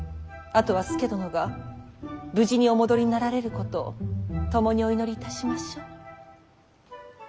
あとは佐殿が無事にお戻りになられることを共にお祈りいたしましょう。